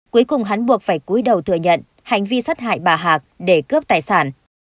cuối cùng hắn buộc phải cuối đầu thừa nhận hành vi sát hại bà hạc để cướp tài sản